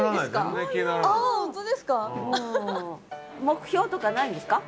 目標とかないんですか？